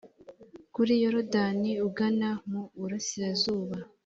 kuri yorodani ugana mu burasirazuba